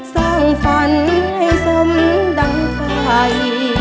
สร้างฝันให้สมดังไฟ